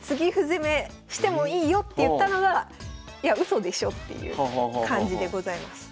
攻めしてもいいよっていったのがいやうそでしょっていう感じでございます。